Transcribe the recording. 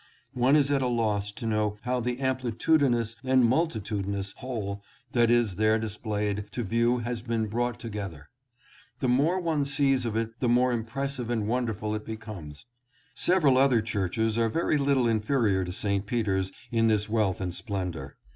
One is at a loss to know how the amplitudinous and multitudinous whole that is there displayed to view has been brought together. The more one sees of it the more impressive and wonderful it becomes. Several other churches are very little inferior to St. Peter's in this wealth and splendor.